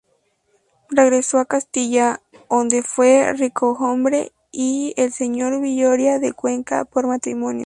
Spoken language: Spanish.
Regresó a Castilla, onde fue ricohombre y señor de Villoria de Cuenca, por matrimonio.